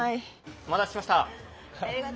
お待たせしました。